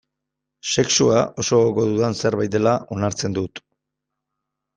Sexua oso gogoko dudan zerbait dela onartzen dut.